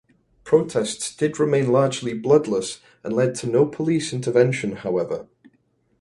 Protests did remain largely bloodless and led to no police intervention however.